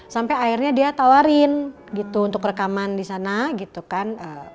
sampai akhirnya dia tawarin gitu untuk rekaman di sana gitu kan